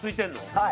はい。